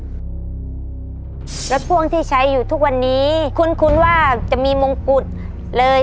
รถมอเตอร์ไซค์พ่วงที่ใช้อยู่ทุกวันนี้คุ้นคุ้นว่าจะมีมงกุฎเลย